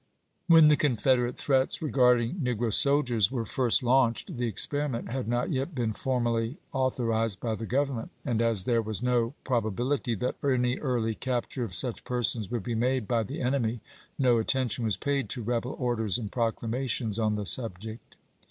When the Confederate threats regarding negro soldiers were first launched the experiment had not yet been formally authorized by the Grovernment ; and as there was no probability that any early cap ture of such persons would be made by the enemy no attention was paid to rebel orders and proclama tions on the subject.